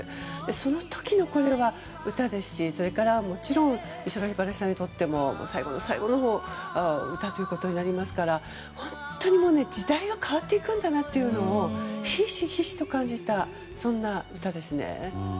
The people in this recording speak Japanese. その時の歌ですし美空ひばりさんにとっても最後の最後の歌ということになりますから本当に時代が変わっていくんだなとひしひしと感じたそんな歌ですね。